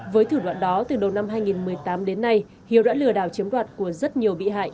với thủ đoạn đó từ đầu năm hai nghìn một mươi tám đến nay hiếu đã lừa đảo chiếm đoạt của rất nhiều bị hại